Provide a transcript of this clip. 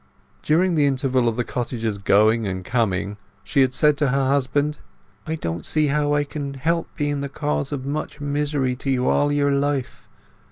During the interval of the cottager's going and coming, she had said to her husband— "I don't see how I can help being the cause of much misery to you all your life.